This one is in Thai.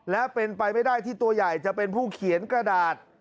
และเป็นไปไม่ได้ที่ตัวใหญ่จะเป็นผู้เขียนกระดาษ